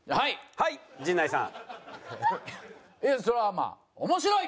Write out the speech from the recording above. はい陣内さん。